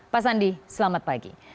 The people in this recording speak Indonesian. pak sandi selamat pagi